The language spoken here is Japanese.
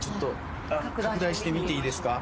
拡大して見ていいですか？